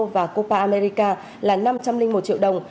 và copa america là năm trăm linh một triệu đồng